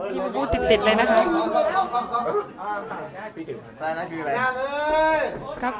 นี่จนขอขอบไปหน้ากลางครับ